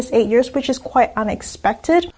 yang cukup tidak diharapkan